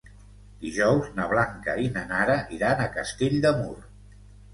Dijous na Blanca i na Nara iran a Castell de Mur.